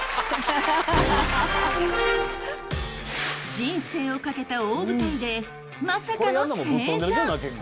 人生をかけた大舞台でまさかの正座！